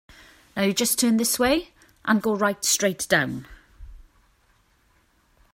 Now you just turn this way and go right straight down.